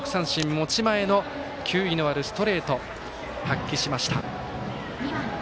持ち前の球威のあるストレート発揮しました。